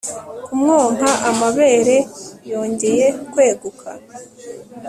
kumwonka amabere yongeye kweguka